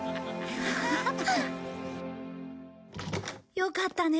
よかったね。